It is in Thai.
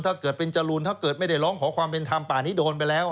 ถ้าเกิดเป็นจรูนถ้าเกิดไม่ได้ร้องขอความเป็นธรรมป่านี้โดนไปแล้ว